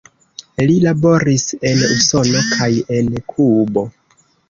Li laboris en Usono kaj en Kubo.